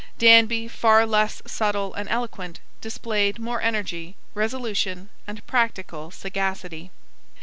Danby far less subtle and eloquent, displayed more energy, resolution, and practical sagacity.